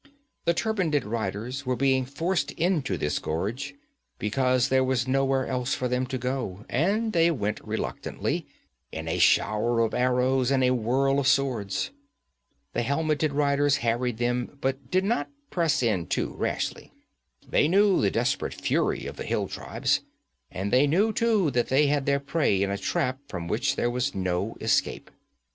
The turbaned riders were being forced into this gorge, because there was nowhere else for them to go, and they went reluctantly, in a shower of arrows and a whirl of swords. The helmeted riders harried them, but did not press in too rashly. They knew the desperate fury of the hill tribes, and they knew too that they had their prey in a trap from which there was no escape.